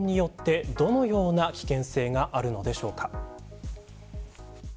誤飲によって、どのような危険性があるのでしょうか。